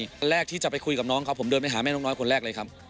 ในช่วงที่จะไปคุยกับน้องผมเดินไปหาแม่นกน้อยครับ